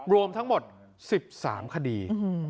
รวมทั้งหมดสิบสามคดี